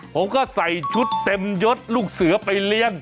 ผมก็ใส่ชุดเต็มยดลูกเสือไปเรียน